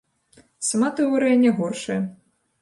Сама тэорыя не горшая.